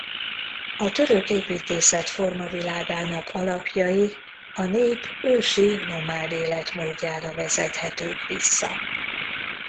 A török építészet formavilágának alapjai a nép ősi nomád életmódjára vezethetők vissza.